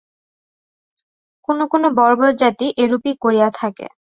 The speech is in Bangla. কোন কোন বর্বর জাতি এইরূপই করিয়া থাকে।